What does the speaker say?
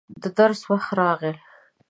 د درس وخت راغی.